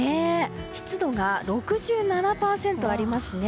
湿度が６７％ありますね。